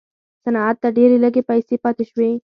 صنعت ته ډېرې لږې پیسې پاتې شوې.